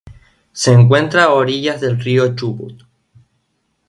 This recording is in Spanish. Se encuentra a orillas del Río Chubut.